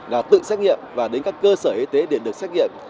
là tự xét nghiệm và đến các cơ sở y tế để được xét nghiệm